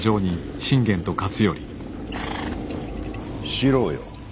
四郎よ。